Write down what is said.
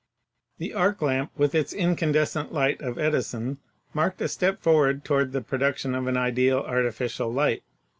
The arc lamp and incandescent light of Edison marked a step forward toward the production of an ideal artificial light.